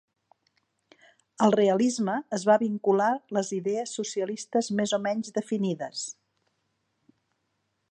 El realisme es va vincular les idees socialistes més o menys definides.